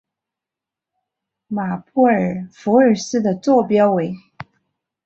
马布尔福尔斯的座标为。